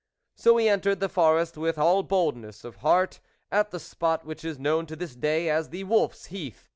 So he entered the forest with all boldness of heart, at the spot which is known to this day as the Wolfs' Heath.